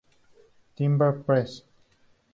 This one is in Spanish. Timber Press.